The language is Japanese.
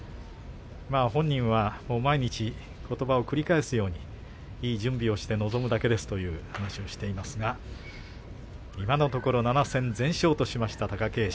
本人は毎日ことばを繰り返すようにいい準備をして臨むだけですという話をしていますが今のところ７戦全勝としました貴景勝。